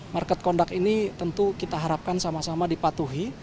market conduct ini tentu kita harapkan sama sama dipatuhi